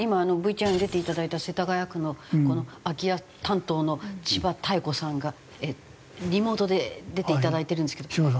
今ＶＴＲに出ていただいた世田谷区の空家担当の千葉妙子さんがリモートで出ていただいてるんですけど。